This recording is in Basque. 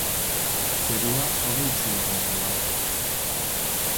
Zerua hodeitsu egongo da.